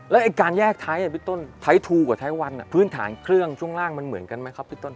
แล้วการแยกไทท์ไทท์ทูกับไทท์วันพื้นฐานเครื่องช่วงล่างเหมือนกันไหมครับพี่ต้น